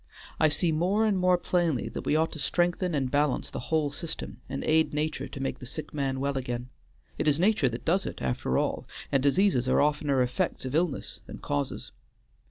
I see more and more plainly that we ought to strengthen and balance the whole system, and aid nature to make the sick man well again. It is nature that does it after all, and diseases are oftener effects of illness than causes.